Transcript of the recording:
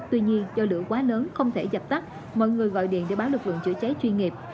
tuy nhiên do lửa quá lớn không thể dập tắt mọi người gọi điện để báo lực lượng chữa cháy chuyên nghiệp